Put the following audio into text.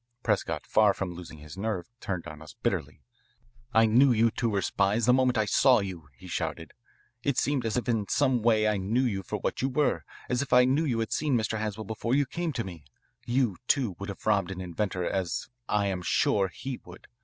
Prescott, far from losing his nerve, turned on us bitterly. "I knew you two were spies the moment I saw you," he shouted. "It seemed as if in some way I knew you for what you were, as if I knew you had seen Mr. Haswell before you came to me. You, too, would have robbed an inventor as I am sure he would.